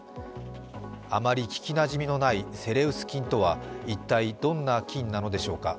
あまり聞きなじみのないセレウス菌とは一体どんな菌なのでしょうか。